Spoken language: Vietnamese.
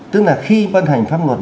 tức là khi văn hành pháp luật